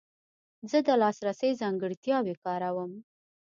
زه د لاسرسي ځانګړتیاوې کاروم.